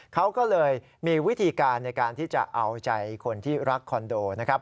เขาก็เลยมีวิธีการในการที่จะเอาใจคนที่รักคอนโดนะครับ